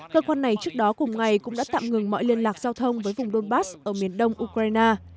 cơ quan này trước đó cùng ngày cũng đã tạm ngừng mọi liên lạc giao thông với vùng donbass ở miền đông ukraine